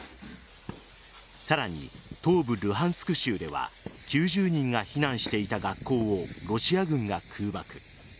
さらに、東部・ルハンスク州では９０人が避難していた学校をロシア軍が空爆。